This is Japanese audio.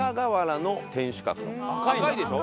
赤いでしょ？